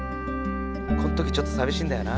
こん時ちょっと寂しいんだよな。